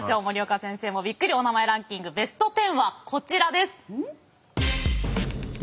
森岡先生もびっくり「おなまえランキングＢＥＳＴ１０」はこちらです。